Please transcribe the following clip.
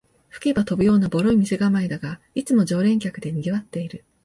吹けば飛ぶようなボロい店構えだが、いつも常連客でにぎわってる